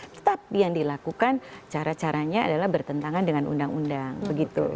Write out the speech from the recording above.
tetapi yang dilakukan cara caranya adalah bertentangan dengan undang undang begitu